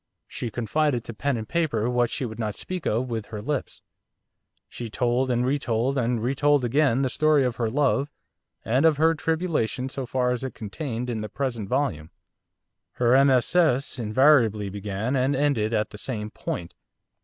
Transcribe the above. She confided to pen and paper what she would not speak of with her lips. She told, and re told, and re told again, the story of her love, and of her tribulation so far as it is contained in the present volume. Her MSS. invariably began and ended at the same point.